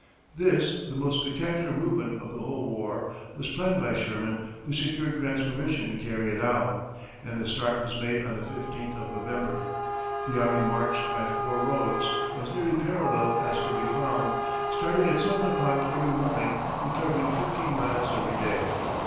This, the most spectacular movement of the whole war, was planned by Sherman, who secured Grant's permission to carry it out, and the start was made on the fifteenth of November. The army marched by four roads, as nearly parallel as could be found, starting at seven o'clock every morning and covering fifteen miles every day.